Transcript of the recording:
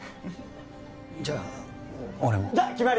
じゃあ俺も決まり！